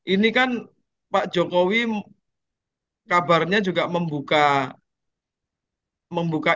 ini kan pak jokowi kabarnya juga membuka